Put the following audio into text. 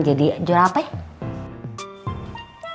jadi juara apa ya